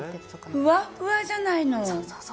ふわふわじゃないの。